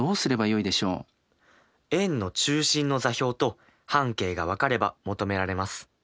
円の中心の座標と半径が分かれば求められます。